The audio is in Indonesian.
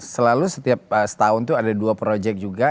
selalu setiap setahun itu ada dua project juga